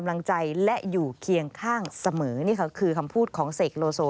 และอยู่เคียงข้างเสมอนี่คือคำพูดของเสกโลโซ